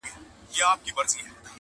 ټول غزل غزل سوې دواړي سترګي دي شاعري دي,